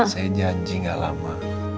saya janji gak lama